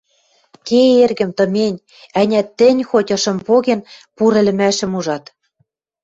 Ке, эргӹм, тымень, ӓнят, тӹнь хоть, ышым поген, пуры ӹлӹмӓшӹм ужат».